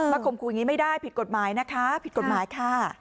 มาคมคุยอย่างนี้ไม่ได้ผิดกฎหมายนะคะ